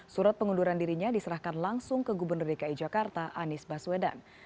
surat pengunduran dirinya diserahkan langsung ke gubernur dki jakarta anies baswedan